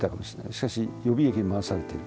しかし予備役に回されている。